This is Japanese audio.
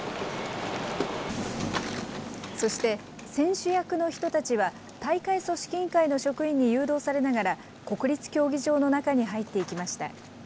そして選手役の人たちは、大会組織委員会の職員に誘導されながら、国立競技場の中に入っていきました。